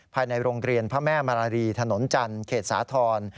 ภายในโรงเรียนพระแม่มารารีถนนจันทร์เขตสาธรณ์